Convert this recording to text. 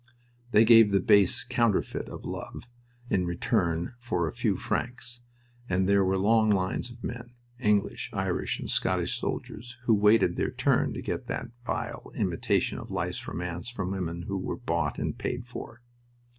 They gave the base counterfeit of love in return for a few francs, and there were long lines of men English, Irish, and Scottish soldiers who waited their turn to get that vile imitation of life's romance from women who were bought and paid for.